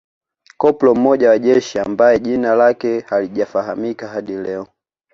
Koplo mmoja wa jeshi ambaye jina lake halijafahamika hadi leo